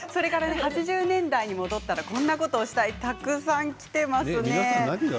８０年代に戻ったらこんなことをしたい！ということでたくさんきています。